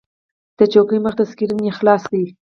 د چوکۍ مخې ته سکرین مې خلاص کړ.